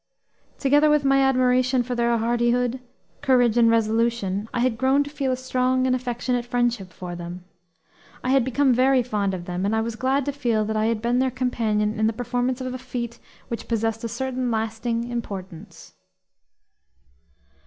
Together with my admiration for their hardihood, courage, and resolution, I had grown to feel a strong and affectionate friendship for them. I had become very fond of them; and I was glad to feel that I had been their companion in the performance of a feat which possessed a certain lasting importance.